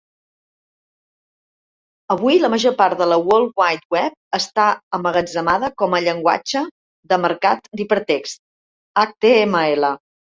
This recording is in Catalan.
Avui, la major part de la World Wide Web està emmagatzemada com a llenguatge de marcat d'hipertext (HTML).